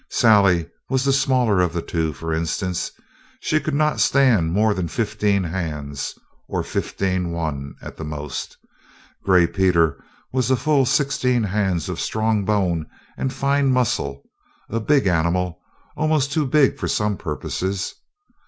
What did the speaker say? Sally was the smaller of the two, for instance. She could not stand more than fifteen hands, or fifteen one at the most. Gray Peter was a full sixteen hands of strong bone and fine muscle, a big animal almost too big for some purposes.